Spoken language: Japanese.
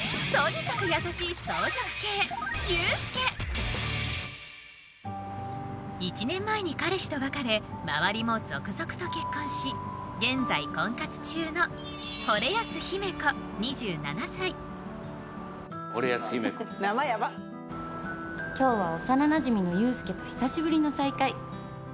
まずは１年前に彼氏と別れ周りも続々と結婚し現在婚活中の惚安姫子２７歳今日は幼なじみの優助と久しぶりの再会